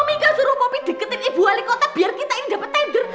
momi kan suruh popi deketin ibu halikota biar kita ini dapat tender